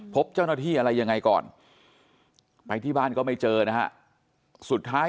พบเจ้าหน้าที่อะไรยังไงก่อนไปที่บ้านก็ไม่เจอนะฮะสุดท้าย